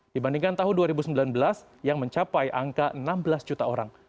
dibandingkan tahun dua ribu sembilan belas yang mencapai angka enam belas juta orang